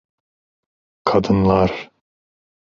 Kadınlar.